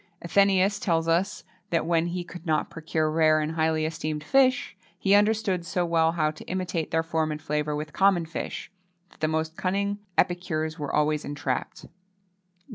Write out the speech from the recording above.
Athenæus tells us that, when he could not procure rare and highly esteemed fish, he understood so well how to imitate their form and flavour with common fish, that the most cunning epicures were always entrapped.